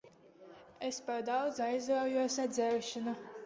Es par daudz aizraujos ar dzeršanu.